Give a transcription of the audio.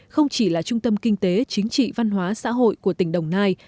không chỉ là trung tâm kinh tế chính trị văn hóa xã hội của tỉnh đồng nai